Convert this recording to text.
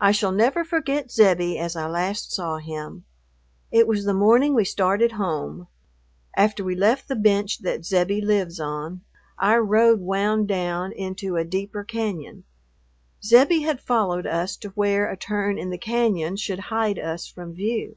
I shall never forget Zebbie as I last saw him. It was the morning we started home. After we left the bench that Zebbie lives on, our road wound down into a deeper cañon. Zebbie had followed us to where a turn in the cañon should hide us from view.